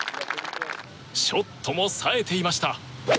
ショットも冴えていました。